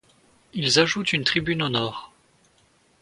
Ils ajoutent une tribune au nord.